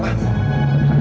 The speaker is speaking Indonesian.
pak ya ampun sih ini